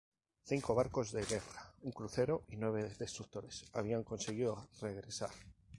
Cinco barcos de guerra, un crucero y nueve destructores habían conseguido regresar.